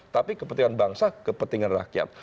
tapi kepentingan bangsa kepentingan rakyat